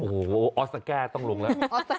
โอ้โหออสซาแก้ต้องลงแล้ว